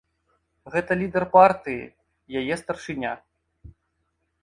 Гэта лідар партыі, яе старшыня.